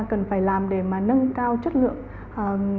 cần phải làm để mà nâng cao chất lượng